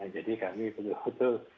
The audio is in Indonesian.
jadi kami perlu